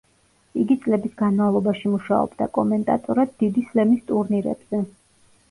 იგი წლების განმავლობაში მუშაობდა კომენტატორად დიდი სლემის ტურნირებზე.